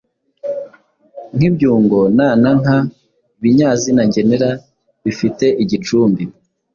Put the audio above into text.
nk’ibyungo na na nka, ibinyazina ngenera bifite igicumbi